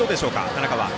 田中は。